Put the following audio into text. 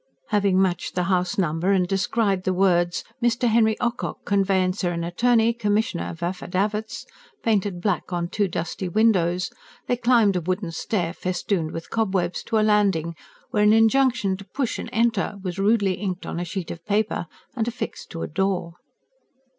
Having matched the house number and descried the words: "Mr. Henry Ocock, Conveyancer and Attorney, Commissioner of Affidavits," painted black on two dusty windows, they climbed a wooden stair festooned with cobwebs, to a landing where an injunction to: "Push and Enter!" was, rudely inked on a sheet of paper and affixed to a door.